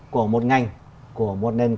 của một ngành của một nền